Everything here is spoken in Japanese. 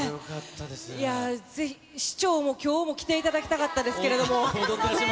いや、市長も、きょうも来ていただきたかったですけれども。